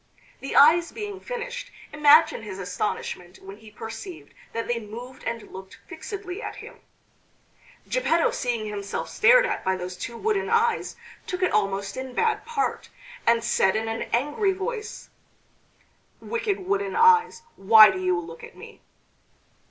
The eyes being finished, imagine his astonishment when he perceived that they moved and looked fixedly at him. Geppetto seeing himself stared at by those two wooden eyes, took it almost in bad part, and said in an angry voice: "Wicked wooden eyes, why do you look at me?"